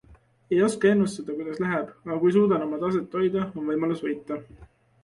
Ei oska ennustada kuidas läheb, aga kui suudan oma taset hoida, on võimalus võita.